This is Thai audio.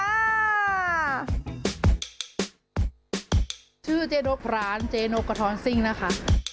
ร้านเจ๊จะอยู่ตรงสำหรับเจ๊นกกระท้อนซิ่งนะคะ